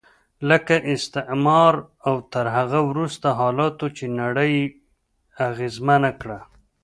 لکه استعمار او تر هغه وروسته حالاتو چې نړۍ یې اغېزمنه کړه.